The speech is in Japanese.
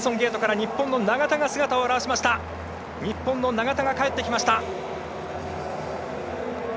日本の永田が帰ってきました！